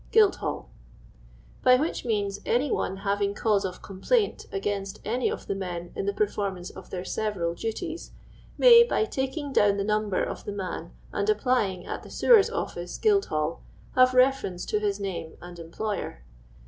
Guildhall,' by which means any one having cause of complaint against any of the men in the performance of their several duties, may, by taking down the number of the man and applying at the Sewers' Office, Guildhall, have reference to his name and em ployer.